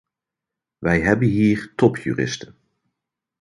Wij hebben hier topjuristen.